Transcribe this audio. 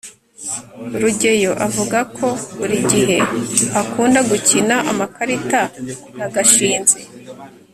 rugeyo avuga ko buri gihe akunda gukina amakarita na gashinzi